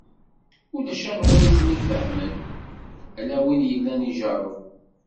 Ulac anwa i ten-ifehmen, ala win yellan ijerreb.